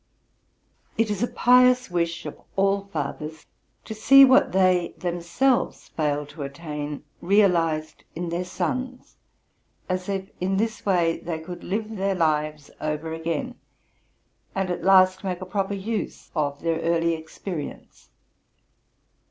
It is a pious wish of all fathers to see what they have themselves failed to attain realized in their sons, as if in this way they could live their lives over again, and at last make a proper use of their early experience.